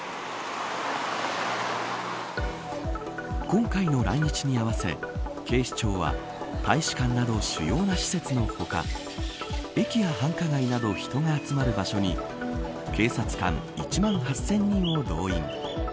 今回の来日に合わせ警視庁は大使館など主要な施設の他駅や繁華街など人が集まる場所に警察官１万８０００人を動員。